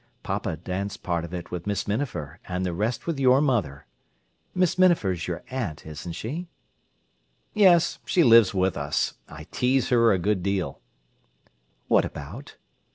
Papa danced part of it with Miss Minafer and the rest with your mother. Miss Minafer's your aunt, isn't she?" "Yes; she lives with us. I tease her a good deal." "What about?"